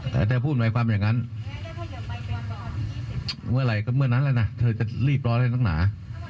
แต่ถ้าพูดใหม่ความอย่างนั้นเมื่อไหร่ก็เมื่อนั้นเลยนะเธอจะรีบรอได้นักหนา